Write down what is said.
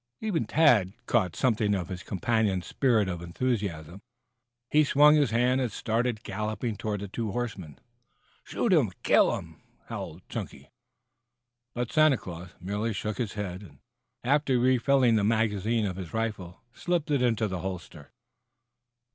Even Tad caught something of his companion's spirit of enthusiasm. He swung his hand and started galloping toward the two horsemen. "Shoot 'em! Kill 'em!" howled Chunky. But Santa Claus merely shook his head, and after refilling the magazine of his rifle slipped it into the holster.